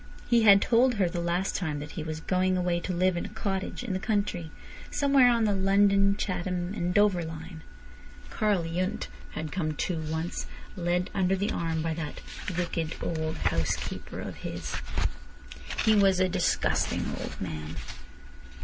He had told her the last time that he was going away to live in a cottage in the country, somewhere on the London, Chatham, and Dover line. Karl Yundt had come too, once, led under the arm by that "wicked old housekeeper of his." He was "a disgusting old man."